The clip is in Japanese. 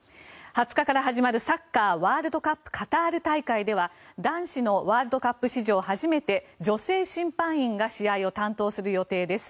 ２０日から始まるサッカーワールドカップカタール大会では男子のワールドカップ史上初めて女性審判員が試合を担当する予定です。